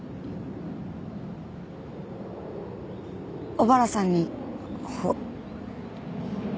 小原さんにほ。